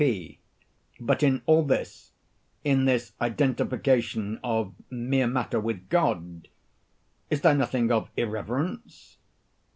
P. But in all this—in this identification of mere matter with God—is there nothing of irreverence?